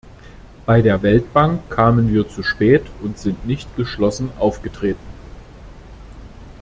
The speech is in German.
Bei der Weltbank kamen wir zu spät und sind nicht geschlossen aufgetreten.